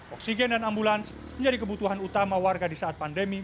oksigen dan ambulans menjadi kebutuhan utama warga di saat pandemi